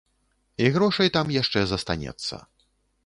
І грошай там яшчэ застанецца.